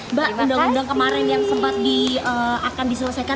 mbak undang undang kemarin yang sempat akan diselesaikan